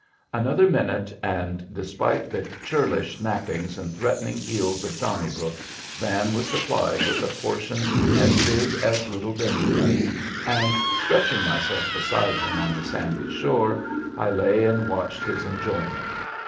Another minute, and, despite the churlish snappings and threatening heels of Donnybrook, Van was supplied with a portion as big as little Benjamin's, and, stretching myself beside him on the sandy shore, I lay and watched his enjoyment.